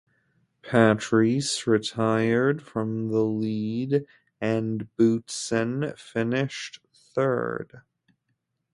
Patrese retired from the lead and Boutsen finished third.